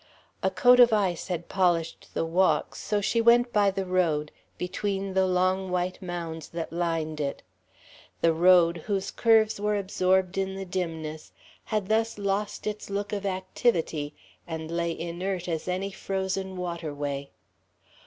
A coat of ice had polished the walks, so she went by the road, between the long white mounds that lined it. The road, whose curves were absorbed in the dimness, had thus lost its look of activity and lay inert as any frozen waterway.